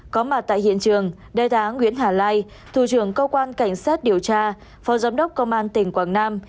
có mặt tại hiện trường đại tả nguyễn hà lai thủ trưởng công an tỉnh quảng nam